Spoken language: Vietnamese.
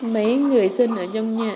mấy người dân ở trong nhà